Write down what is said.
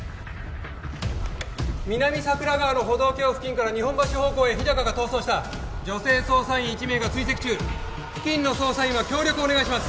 南桜川の歩道橋付近から日本橋方向へ日高が逃走した女性捜査員１名が追跡中付近の捜査員は協力をお願いします